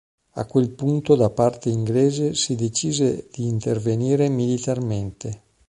A quel punto da parte inglese si decise di intervenire militarmente.